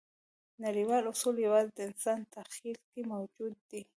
نړیوال اصول یواځې د انسان تخیل کې موجود دي.